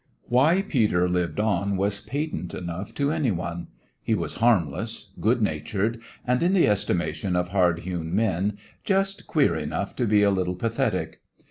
Why Peter lived on was patent enough to anyone. He was harmless, good natured, and, in the estimation of hard hewn men, just "queer" enough to be a little pathetic.